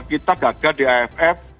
kita gagal di aff